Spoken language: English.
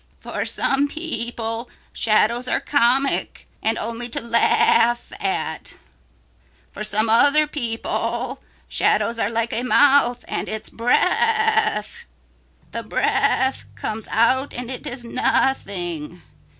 "For some people shadows are comic and only to laugh at. For some other people shadows are like a mouth and its breath. The breath comes out and it is nothing.